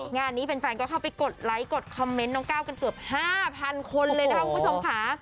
งานนี้แฟนก็เข้าไปกดไลค์กดคอมเมนต์น้องก้าวกันเกือบ๕๐๐คนเลยนะคะคุณผู้ชมค่ะ